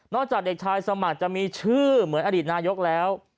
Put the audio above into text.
จากเด็กชายสมัครจะมีชื่อเหมือนอดีตนายกแล้ว